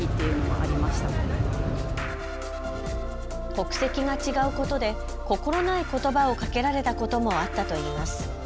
国籍が違うことで心ないことばをかけられたこともあったといいます。